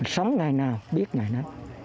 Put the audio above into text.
sống ngày nào biết ngày nào